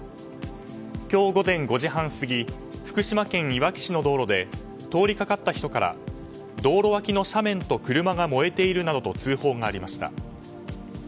今日午前５時半過ぎ福島県いわき市の道路で通りかかった人から道路脇の斜面と車が燃えているなどと通報がありました。